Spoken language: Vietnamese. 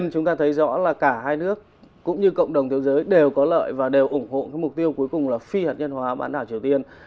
cả hai nước cũng như cộng đồng thế giới đều có lợi và đều ủng hộ cái mục tiêu cuối cùng là phi hạt nhân hóa bán đảo triều tiên